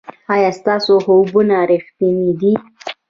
ایا ستاسو خوبونه ریښتیني دي؟